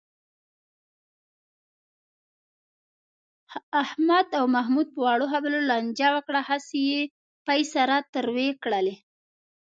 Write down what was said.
احمد او محمود په وړو خبرو لانجه وکړه. هسې یې پۍ سره تروې کړلې.